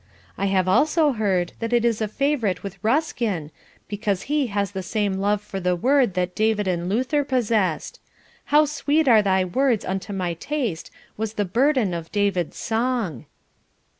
I have also heard that it is a favourite with Ruskin because he has the same love for the Word that David and Luther possessed. 'How sweet are Thy words unto my taste,' was the burden of David's song."